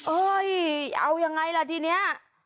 เอ้ยเอายังไงล่ะทีนี้